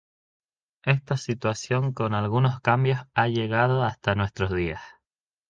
Esta situación con algunos cambios ha llegado hasta nuestros días.